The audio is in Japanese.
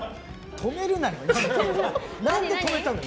止めるなよ！